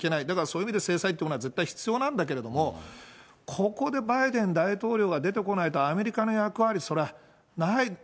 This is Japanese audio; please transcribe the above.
だから、そういう意味で制裁というのは絶対必要なんだけれども、ここでバイデン大統領が出てこないと、アメリカの役割、それはない。